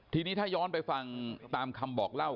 ทีนี้ถ้าย้อนไปฟังตามคำบอกเล่า